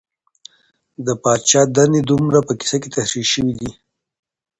د پادشاه دندې د هومر په کيسه کي تشريح سوې دي.